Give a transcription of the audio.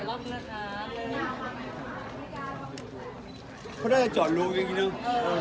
ชิคกี้พายที่นายจะพบขอบคุณขอบคุณ